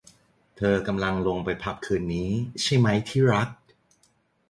เธอกำลังลงไปผับคืนนี้ใช่ไหมที่รัก ?